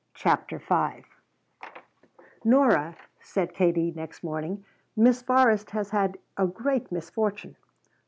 CHAPTER V "Nora," said Katie next morning, "Miss Forrest has had a great misfortune."